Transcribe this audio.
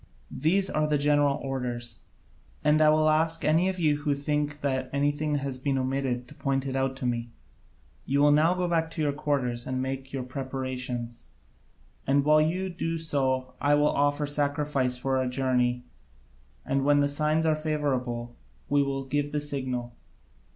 These are the general orders: and I will ask any of you who think that anything has been omitted to point it out to me. You will now go back to your quarters and make your preparations, and while you do so I will offer sacrifice for our journey and when the signs are favourable we will give the signal.